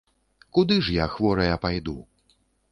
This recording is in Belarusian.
Куды ж я хворая пайду?